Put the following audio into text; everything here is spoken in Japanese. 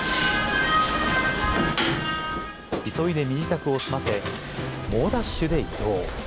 急いで身支度を済ませ、猛ダッシュで移動。